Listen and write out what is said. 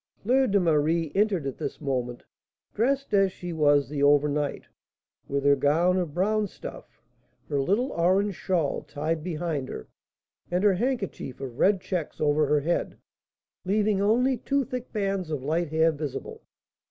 Fleur de Marie entered at this moment, dressed as she was the over night, with her gown of brown stuff, her little orange shawl tied behind her, and her handkerchief of red checks over her head, leaving only two thick bands of light hair visible.